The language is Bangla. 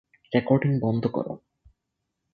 রেকর্ডিং বন্ধ কর!